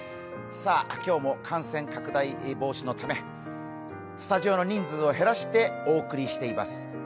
今日も感染拡大防止のためスタジオの人数を減らしてお送りしております。